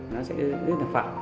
nó sẽ rất là phẳng